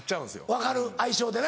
分かる相性でな。